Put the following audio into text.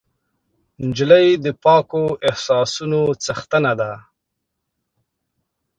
نجلۍ د پاکو احساسونو څښتنه ده.